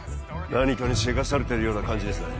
何かにせかされているような感じですね